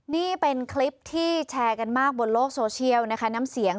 นี่เป็นคลิปที่แชร์กันมากบนโลกโซเชียลนะคะน้ำเสียง